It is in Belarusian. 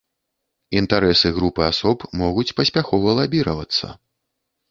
Інтарэсы групы асоб могуць паспяхова лабіравацца.